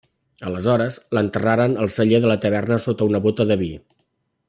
Aleshores, l'enterraren al celler de la taverna sota una bóta de vi.